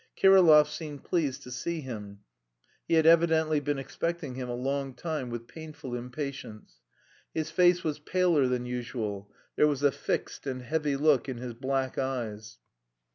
Kirillov seemed pleased to see him; he had evidently been expecting him a long time with painful impatience. His face was paler than usual; there was a fixed and heavy look in his black eyes.